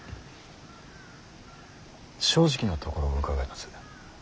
正直なところを伺います。